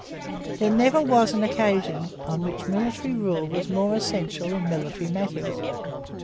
There never was an occasion on which military rule was more essential in military matters.